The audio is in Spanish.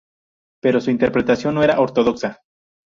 Pero su interpretación no era ortodoxa.